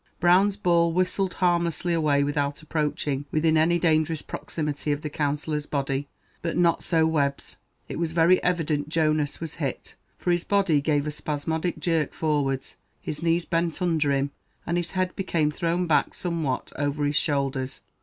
Brown's ball whistled harmlessly away without approaching within any dangerous proximity of the Counsellor's body; but not so Webb's; it was very evident Jonas was hit, for his body gave a spasmodic jerk forwards, his knees bent under him, and his head became thrown back somewhat over his shoulders.